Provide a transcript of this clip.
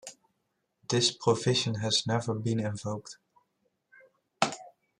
This provision has never been invoked.